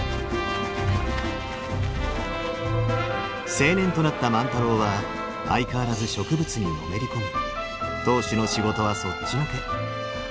青年となった万太郎は相変わらず植物にのめり込み当主の仕事はそっちのけ。